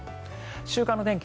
週間天気